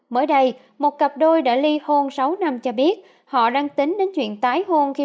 mới đây một cặp đôi đã ly hôn sáu năm cho biết họ đang tính đến chuyện tái hôn khi